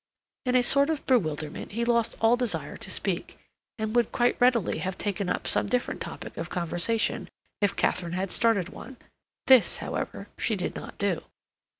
In a sort of bewilderment he lost all desire to speak, and would quite readily have taken up some different topic of conversation if Katharine had started one. This, however, she did not do.